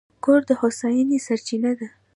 کور د هوساینې سرچینه ده.